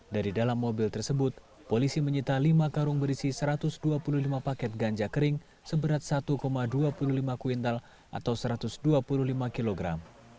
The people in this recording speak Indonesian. dari dalam mobil tersebut polisi menyita lima karung berisi satu ratus dua puluh lima paket ganja kering seberat satu dua puluh lima kuintal atau satu ratus dua puluh lima kilogram